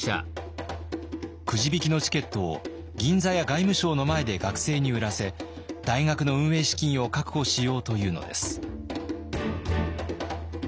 くじ引きのチケットを銀座や外務省の前で学生に売らせ大学の運営資金を確保しようというのです。